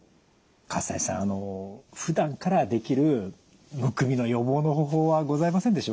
西さんふだんからできるむくみの予防の方法はございませんでしょうか？